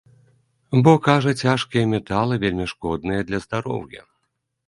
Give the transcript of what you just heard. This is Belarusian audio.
Бо, кажа, цяжкія металы вельмі шкодныя для здароўя.